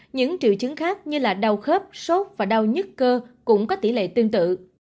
những triệu chứng khác như là đau khớp sốt và đau nhất cơ cũng có tỷ lệ tương tự